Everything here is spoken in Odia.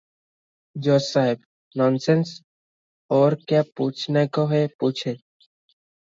ଜଜ୍ ସାହେବ -"ନନ୍ସେନ୍ସ! ଆଉର କ୍ୟା ପୁଚ୍ଛ୍ ନେକା ହେ ପୁଚ୍ଛେ ।